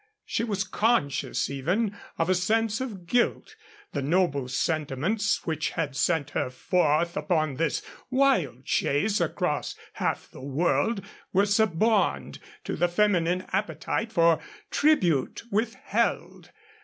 She was conscious even of a sense of guilt. The noble sentiments which had sent her forth upon this wild chase across half the world were suborned to the feminine appetite for tribute withheld.